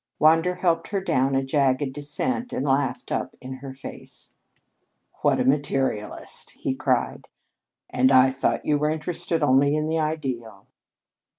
Wander helped her down a jagged descent and laughed up in her face. "What a materialist!" he cried. "And I thought you were interested only in the ideal."